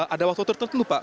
ada waktu tertentu pak